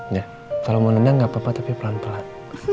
ya kalau mau nendang nggak apa apa tapi pelan pelan